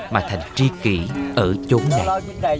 mà thành tri kỷ ở chỗ này